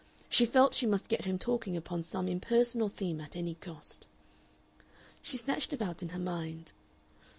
She felt she must get him talking upon some impersonal theme at any cost. She snatched about in her mind.